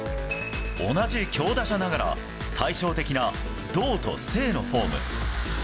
同じ強打者ながら、対照的な動と静のフォーム。